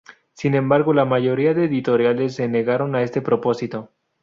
Sin embargo, la mayoría de editoriales se negaron a este propósito.